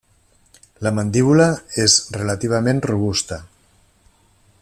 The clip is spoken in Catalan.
La mandíbula és relativament robusta.